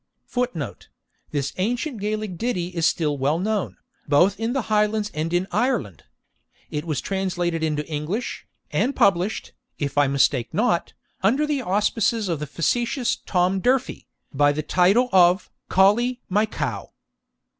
[Footnote: This ancient Gaelic ditty is still well known, both in the Highlands and in Ireland It was translated into English, and published, if I mistake not, under the auspices of the facetious Tom D'Urfey, by the title of 'Colley, my Cow.'